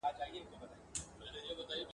چي غوايي ته دي هم کله چل په زړه سي !.